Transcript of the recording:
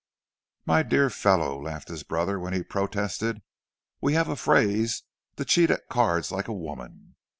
"My dear fellow," laughed his brother, when he protested, "we have a phrase 'to cheat at cards like a woman.